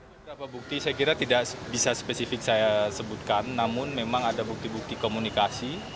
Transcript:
beberapa bukti saya kira tidak bisa spesifik saya sebutkan namun memang ada bukti bukti komunikasi